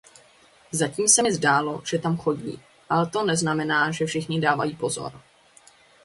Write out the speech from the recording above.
Zatím se mi zdálo, že tam chodí, ale to neznamená, že všichni dávají pozor.